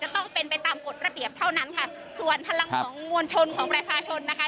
ต้องเป็นไปตามกฎระเบียบเท่านั้นค่ะส่วนพลังของมวลชนของประชาชนนะคะ